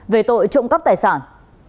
về tội trộm cắp tài sản